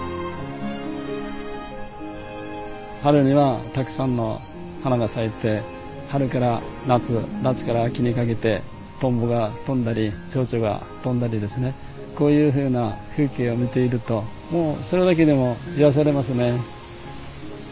春にはたくさんの花が咲いて春から夏夏から秋にかけてとんぼが飛んだりちょうちょが飛んだりですねこういうふうな風景を見ているともうそれだけでも癒やされますね。